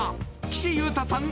岸優太さん